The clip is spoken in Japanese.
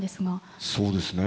そうですね。